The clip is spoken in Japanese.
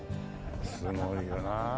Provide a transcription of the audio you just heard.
すごいよなあ。